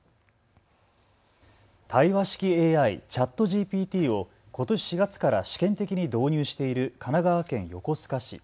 対話式ＡＩ、ＣｈａｔＧＰＴをことし４月から試験的に導入している神奈川県横須賀市。